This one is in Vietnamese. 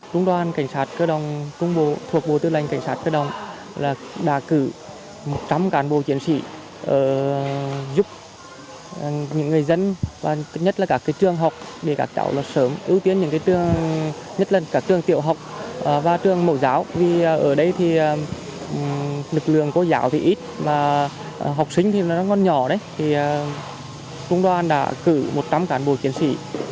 trung đoàn cảnh sát cơ động trung bộ thuộc bộ tư lệnh cảnh sát cơ động đã cử một trăm linh cán bộ chiến sĩ